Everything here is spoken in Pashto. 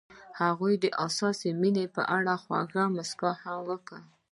هغې د حساس مینه په اړه خوږه موسکا هم وکړه.